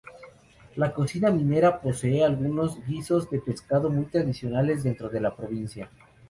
La cocina marinera posee algunos guisos de pescado muy tradicionales dentro de la provincia.